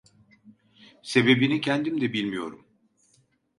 Sebebini kendim de bilmiyorum…